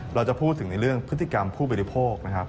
เราจะพูดถึงในเรื่องพฤติกรรมผู้บริโภคนะครับ